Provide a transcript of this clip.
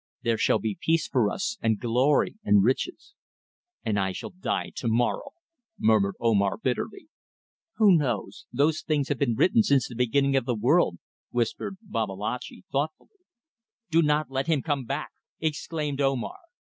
There shall be peace for us, and glory and riches." "And I shall die to morrow," murmured Omar, bitterly. "Who knows? Those things have been written since the beginning of the world," whispered Babalatchi, thoughtfully. "Do not let him come back," exclaimed Omar.